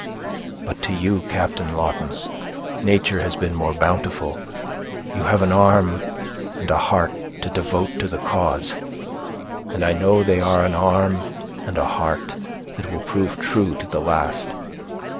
But to you, Captain Lawton, nature has been more bountiful; you have an arm and a heart to devote to the cause; and I know they are in arm and a heart that will prove true to the last.